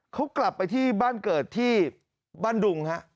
เขากลับไปที่บ้านเกิดที่บ้านดุงฮะ